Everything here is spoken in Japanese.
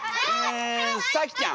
んさきちゃん。